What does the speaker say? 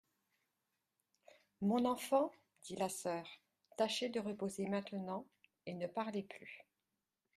Mon enfant, dit la soeur, tâchez de reposer maintenant, et ne parlez plus.